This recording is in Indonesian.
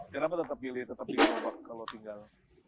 kenapa tetap gini tetap di gerobak kalau tinggal